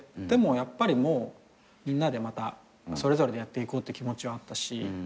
でもやっぱりもうみんなでまたそれぞれでやっていこうって気持ちはあったし。